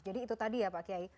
jadi itu tadi ya pak kiai